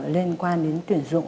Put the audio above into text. liên quan đến tuyển dụng